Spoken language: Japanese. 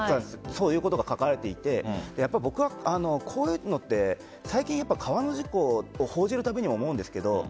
そういうことが書かれていて僕はこういうのって最近、川の事故報じるたびに思うんですが。